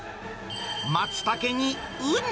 マツタケにウニ。